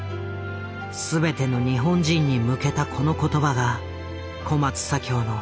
全ての日本人に向けたこの言葉が小松左京の絶筆となった。